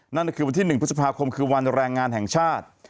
นั่นก็คือวันที่๑พฤษภาคมคือวันแรงงานแห่งชาติ